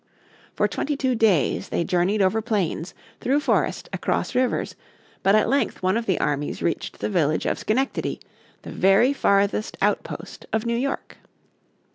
For twenty two days they journeyed over plains, through forest, across rivers, but at length one of the armies reached the village of Schenectady, the very farthest outpost of New York.